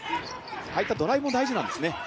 ああいったドライブも大切なんですね。